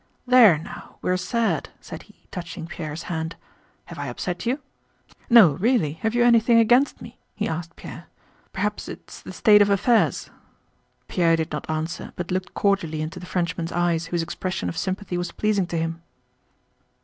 "There now, we're sad," said he, touching Pierre's hand. "Have I upset you? No, really, have you anything against me?" he asked Pierre. "Perhaps it's the state of affairs?" Pierre did not answer, but looked cordially into the Frenchman's eyes whose expression of sympathy was pleasing to him.